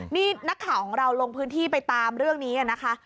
นี่นักข่าวของเราลงพื้นที่ไปตามเรื่องนี้นะคะ